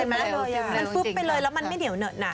มันฟึ๊บไปเลยแล้วมันไม่เหนียวเหน็ดน่ะ